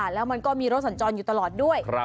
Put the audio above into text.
แล้วมันก็มีรถสัญจรอยู่ตลอดด้วย